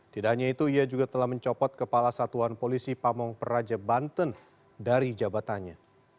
tidak hanya itu ia juga telah mencopot kepala satuan polisi pamong peraja banten dari jabatannya